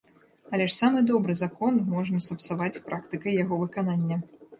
Але ж самы добры закон можна сапсаваць практыкай яго выканання.